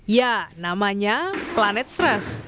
ya namanya planet stres